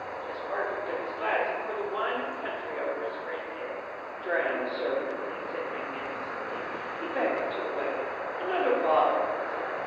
Jacques picked up his glass and poured the wine of the country over his friend's head. "Drown, serpent," he said magnificently. He beckoned to the waiter. "Another bottle," he said.